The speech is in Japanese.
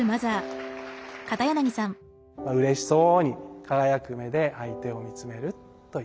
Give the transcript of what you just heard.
うれしそうに輝く目で相手を見つめるというね。